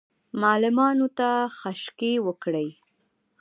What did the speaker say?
معلمانو ته خشکې وکړې.